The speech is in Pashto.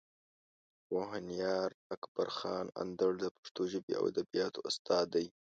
پوهنیار اکبر خان اندړ د پښتو ژبې او ادبیاتو استاد دی.